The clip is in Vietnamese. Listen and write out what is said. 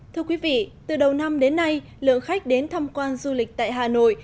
thưa quý vị từ đầu năm đến nay lượng khách đến thăm quan du lịch tại hà nội